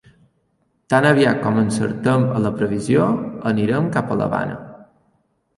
Tan aviat com encertem a la previsió, anirem cap a l'Havana.